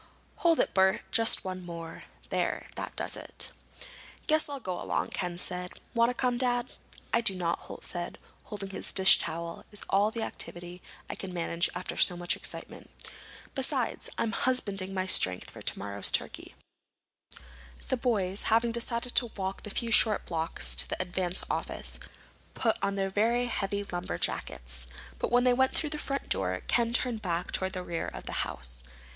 Hold it, Bert. Just one more. There, that does it." "Guess I'll go along," Ken said. "Want to come, Dad?" "I do not," Holt said. "Holding this dish towel is all the activity I can manage after so much excitement. Besides, I'm husbanding my strength for tomorrow's turkey." The boys, having decided to walk the few short blocks to the Advance office, put on their heavy lumberjackets. But when they went through the front door Ken turned back toward the rear of the house.